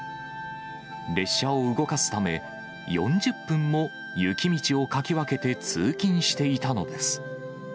列車を動かすため、４０分も雪道をかき分けて通勤していたのです。